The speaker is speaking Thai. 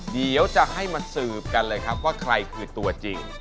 เดี๋ยวจะให้มาสืบกันเลยครับว่าใครคือตัวจริง